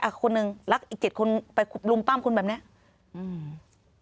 คนหนึ่งรักอีกเจ็ดคนไปขุดลุมปั้มคุณแบบเนี้ยอืม